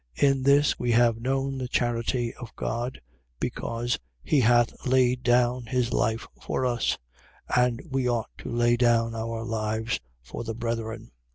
3:16. In this we have known the charity of God, because he hath laid down his life for us: and we ought to lay down our lives for the brethren.